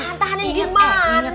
tantangin aja dulu